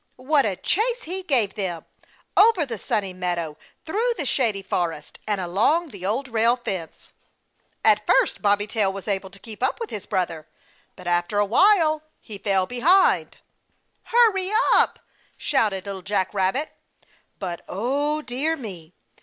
What a chase he gave them! Over the Sunny Meadow, through the Shady Forest, and along the Old Rail Fence! At first Bobby Tail was able to keep up with brother, but after a while he fell behind. "Hurry up!" shouted Little Jack Rabbit. But, Oh dear me!